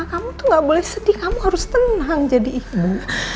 kamu tuh gak boleh sedih kamu harus tenang jadi ibu